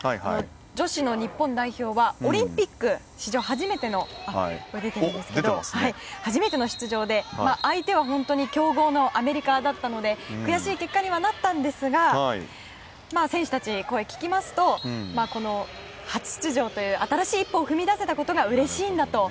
女子の日本代表はオリンピック史上初めての出場で相手は強豪のアメリカだったので悔しい結果にはなったんですが選手たちの声を聞きますとこの初出場という新しい一歩を踏み出せたことがうれしいんだと。